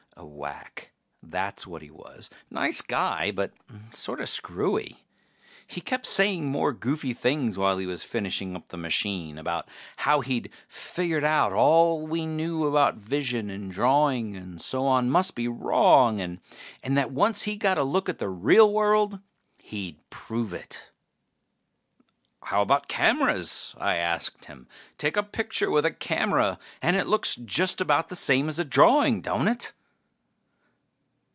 A wack, that's what he was. Nice guy, but sorta screwy. He kept saying more goofy things while he was finishing up the machine, about how he'd figured out that all we knew about vision and drawing and so on must be wrong, and that once he got a look at the real world he'd prove it. "How about cameras?" I asked him. "Take a picture with a camera and it looks just about the same as a drawing, don't it?"